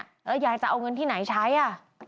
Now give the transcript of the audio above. แล้วยายจะเอาเงินที่ไหนใช้อ่ะ